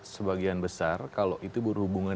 sebagian besar kalau itu berhubungan